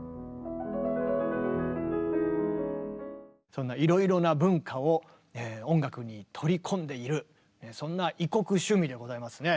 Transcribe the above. そんないろいろな文化を音楽に取り込んでいるそんな異国趣味でございますね。